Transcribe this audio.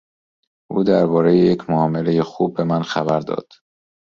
او دربارهی یک معاملهی خوب به من خبر داد.